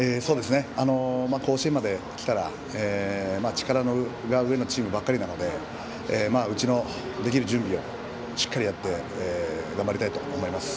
甲子園まで来たら力が上のチームばかりなのでうちのできる準備しっかりやって頑張りたいと思います。